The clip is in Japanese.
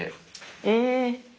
え！